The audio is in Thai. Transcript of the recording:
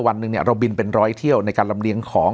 วันหนึ่งเราบินเป็นร้อยเที่ยวในการลำเลียงของ